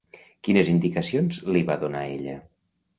Quines indicacions li va donar ella?